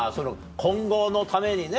今後のためにね